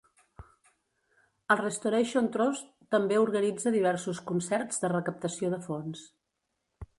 El Restoration Trust també organitza diversos concerts de recaptació de fons.